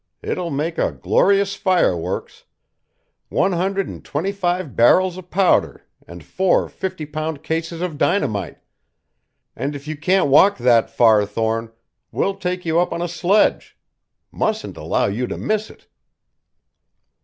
It'll make a glorious fireworks one hundred and twenty five barrels of powder and four fifty pound cases of dynamite and if you can't walk that far, Thorne, we'll take you up on a sledge. Mustn't allow you to miss it!"